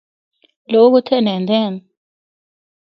لوگ اُتھا نہندے ہن۔